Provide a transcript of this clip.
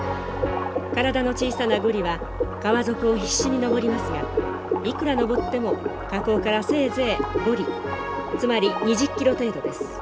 体の小さなゴリは川底を必死に上りますがいくら上っても河口からせいぜい５里つまり２０キロ程度です。